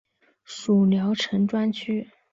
属聊城专区。